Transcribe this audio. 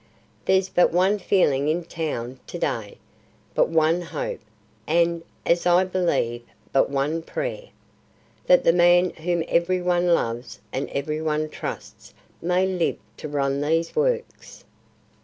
"There's but one feeling in town to day, but one hope, and, as I believe, but one prayer. That the man whom every one loves and every one trusts may live to run these Works."